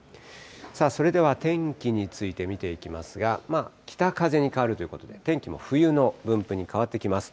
それでは天気について見ていきますが、北風に変わるということで、天気も冬の分布に変わってきます。